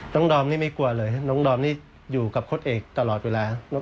ดอมนี่ไม่กลัวเลยน้องดอมนี่อยู่กับโค้ดเอกตลอดเวลา